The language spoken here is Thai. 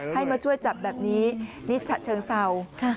ให้มาช่วยจับแบบนี้นี่ฉะเชิงเศร้า